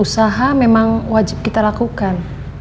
usaha memang wajib kita lakukan